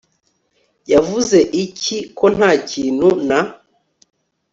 Yavuze iki ko ntakintu n